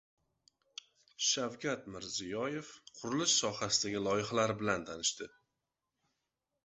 Shavkat Mirziyoyev qurilish sohasidagi loyihalar bilan tanishdi